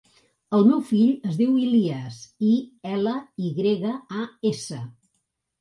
El meu fill es diu Ilyas: i, ela, i grega, a, essa.